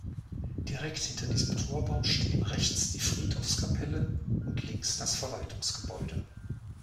Direkt hinter diesem Torbau stehen rechts die Friedhofskapelle und links das Verwaltungsgebäude.